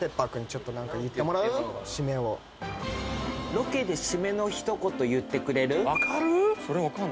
ロケで締めの一言言ってくれる？